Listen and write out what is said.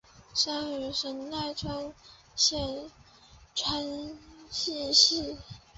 生于神奈川县川崎市。